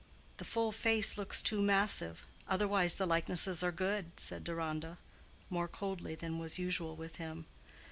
"The full face looks too massive; otherwise the likenesses are good," said Deronda, more coldly than was usual with him.